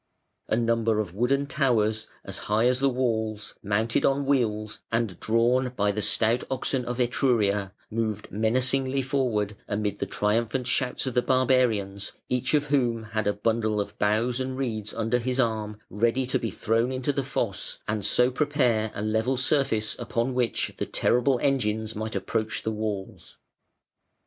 A number of wooden towers as high as the walls, mounted on wheels, and drawn by the stout oxen of Etruria, moved menacingly forward amid the triumphant shouts of the barbarians, each of whom had a bundle of boughs and reeds under his arm ready to be thrown into the fosse, and so prepare a level surface upon which the terrible engines might approach the walls.